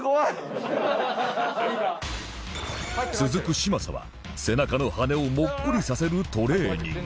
続く嶋佐は背中の羽をモッコリさせるトレーニング